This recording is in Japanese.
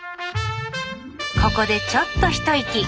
ここでちょっと一息。